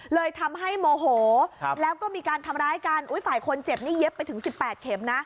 เลยทำให้โมโหแล้วก็มีการทำร้ายกันอุ้ยฝ่ายคนเจ็บนี่เย็บไปถึง๑๘เข็มนะ